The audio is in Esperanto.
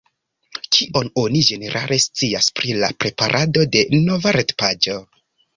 Kion oni ĝenerale scias pri la preparado de nova retpaĝo?